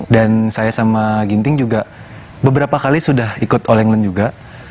dan saya sama ginting juga beberapa kali sudah ikut all england juga